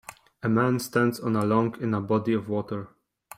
A man stands on a long in a body of water.